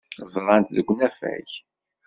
Ẓrant-t deg unafag.